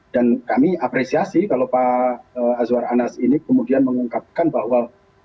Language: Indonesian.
dan kami apresiasi kalau pak azwar anas ini kemudian mengungkapkan bahwa